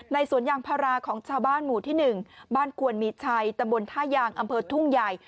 สวนยางพาราของชาวบ้านหมู่ที่๑บ้านควรมีชัยตำบลท่ายางอำเภอทุ่งใหญ่